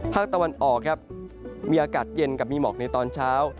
ภาคตะวันออกครับมีอากาศเย็นกับมีหมอกในตอนเช้า